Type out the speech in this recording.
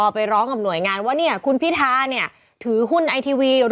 ไปร้องกับหน่วยงานว่าคุณพิธาถือหุ้นไอทีวี